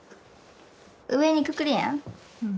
上にくくるやん。